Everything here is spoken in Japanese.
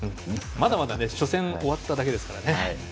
まだまだ初戦が終わっただけですからね。